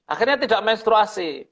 akhirnya tidak menstruasi